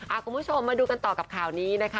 คุณผู้ชมมาดูกันต่อกับข่าวนี้นะคะ